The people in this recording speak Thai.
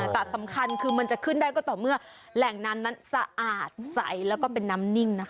แต่สำคัญคือมันจะขึ้นได้ก็ต่อเมื่อแหล่งน้ำนั้นสะอาดใสแล้วก็เป็นน้ำนิ่งนะคะ